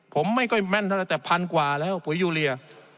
ผมไม่ค่อยแม่นเท่าไรแต่พันกว่าแล้วปุ๋ยยูเรีย